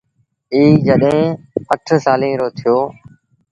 ائيٚݩ جڏهيݩ اَٺ سآليٚݩ رو ٿيو۔